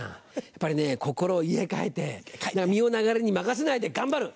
やっぱりね心を入れ替えて身を流れに任せないで頑張る